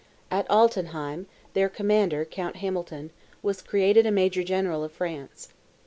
At Altenheim, their commander, Count Hamilton, was created a major general of France.